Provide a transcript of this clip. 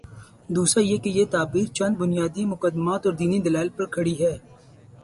دوسرا یہ کہ یہ تعبیر چند بنیادی مقدمات اوردینی دلائل پر کھڑی ہے۔